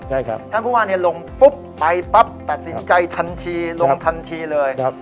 ถ้าผู้ว่านี่ลงปุ๊บไปปั๊บแตกสินใจทันทีลงทันทีเลย